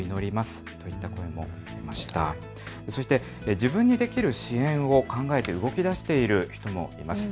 自分にできる支援を考えて動きだしている人もいます。